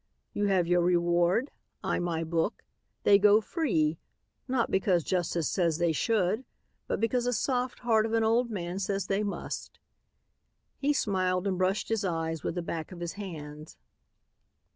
You have your reward; I my book; they go free, not because justice says they should but because a soft heart of an old man says they must." He smiled and brushed his eyes with the back of his hands.